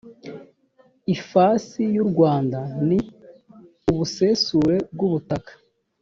ifasi y’ u rwanda ni ubusesure bw ‘ubutaka